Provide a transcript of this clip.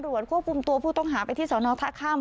ว่ากลุ่มตัวผู้ต้องหาไปที่สนทะค่ำ